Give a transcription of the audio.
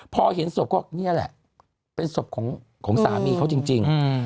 พอเห็นศพก็นี่แหละเป็นศพของสามีเขาจริง